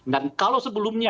dan kalau sebelumnya